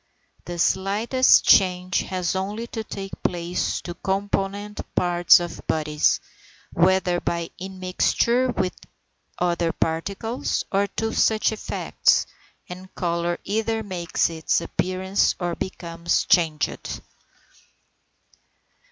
The slightest change has only to take place in the component parts of bodies, whether by immixture with other particles or other such effects, and colour either makes its appearance or becomes changed.